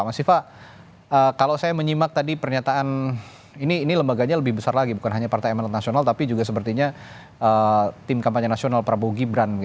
mas viva kalau saya menyimak tadi pernyataan ini lembaganya lebih besar lagi bukan hanya partai amanat nasional tapi juga sepertinya tim kampanye nasional prabowo gibran